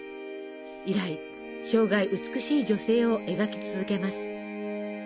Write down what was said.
以来生涯美しい女性を描き続けます。